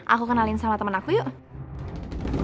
aku kenalin sama temen aku yuk